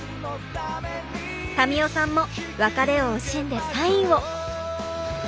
民生さんも別れを惜しんでサインを。